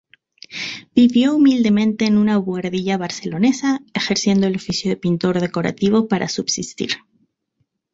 Vivió humildemente en una buhardilla barcelonesa, ejerciendo el oficio de pintor decorativo para subsistir.